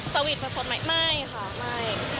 สวีทประชดไหมไม่ค่ะไม่